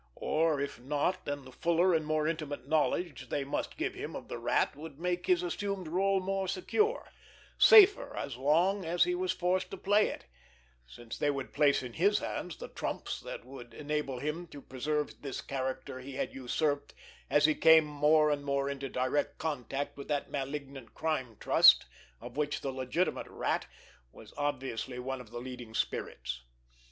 Or, if not, then the fuller and more intimate knowledge they must give him of the Rat would make his assumed rôle more secure, safer as long as he was forced to play it, since they would place in his hands the trumps that would enable him to preserve this character he had usurped as he came more and more into direct contact with that malignant Crime Trust of which the legitimate Rat was obviously one of the leading spirits.